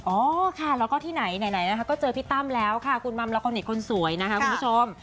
โอ้ค่ะที่ไหนก็เป็นพี่ตั้งแล้วค่ะคุณม่ำละค่อนอื่นคนสวยนะฮะคุณผู้ชม